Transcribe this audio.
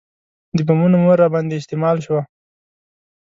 د بمونو مور راباندې استعمال شوه.